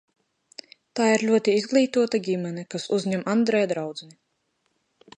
Tā ir ļoti izglītota ģimene, kas uzņem Andreja draudzeni.